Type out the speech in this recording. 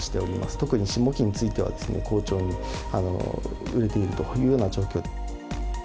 特に下期については、好調に売れているというような状況で。